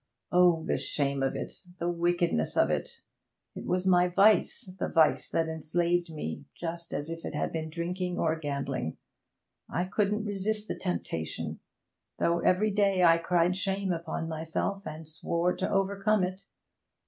Oh, the shame of it! The wickedness of it! It was my vice the vice that enslaved me just as if it had been drinking or gambling. I couldn't resist the temptation though every day I cried shame upon myself and swore to overcome it.